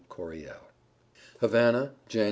CORYELL. HAVANA, Jan.